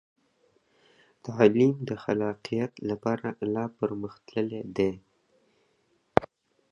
تعلیم د خلاقیت لپاره لا پرمخ تللی دی.